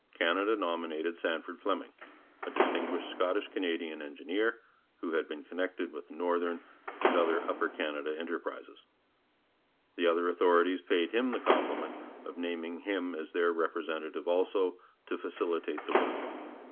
Canada nominated Sandford Fleming, a distinguished Scottish Canadian engineer, who had been connected with the Northern and other Upper Canada enterprises. The other authorities paid him the compliment of naming him as their representative also, to facilitate the work.